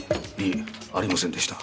いえありませんでした。